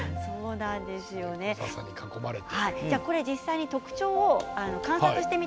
ささに囲まれて。